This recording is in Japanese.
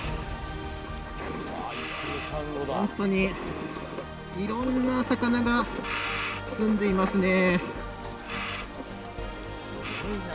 本当にいろんな魚がすんでいますね。